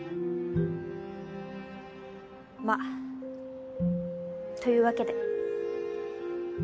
まっというわけで。